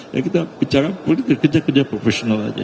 ya kita bicara politik kerja kerja profesional aja